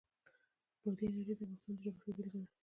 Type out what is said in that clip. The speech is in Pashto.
بادي انرژي د افغانستان د جغرافیې بېلګه ده.